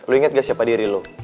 lu inget gak siapa diri lo